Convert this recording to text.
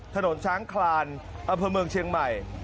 ถนนช้างคลานอำเภอเมืองเชียงใหม่